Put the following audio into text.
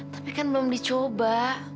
tapi kan belum dicoba